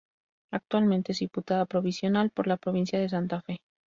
Actualmente es diputada provincial por la provincia de Santa Fe.